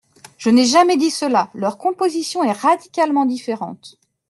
Je n’ai jamais dit cela ! Leur composition est radicalement différente.